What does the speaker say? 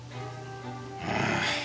ああ。